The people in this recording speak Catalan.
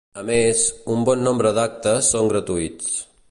A més, un bon nombre d'actes són gratuïts.